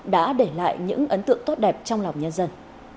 đã để lại những ấn tượng tốt đẹp trong lòng nhân dân